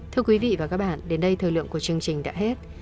thưa quý vị và các bạn đến đây thời lượng của chương trình đã hết